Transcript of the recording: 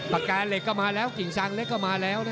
ปากกาเหล็กก็มาแล้วกิ่งซางเล็กก็มาแล้ว